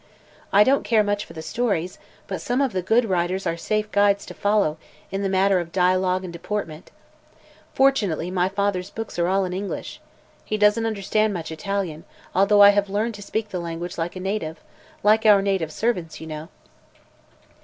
I don't care much for the stories, but some of the good writers are safe guides to follow in the matter of dialogue and deportment. Fortunately, father's books are all in English. He doesn't understand much Italian, although I have learned to speak the language like a native like our native servants, you know."